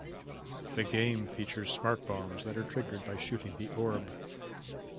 The game features smart bombs that are triggered by shooting the orb.